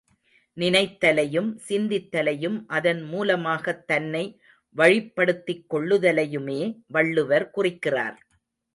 நினைத்தலையும், சிந்தித்தலையும் அதன் மூலமாகத் தன்னை வழிப்படுத்திக் கொள்ளுதலையுமே வள்ளுவர் குறிக்கிறார்.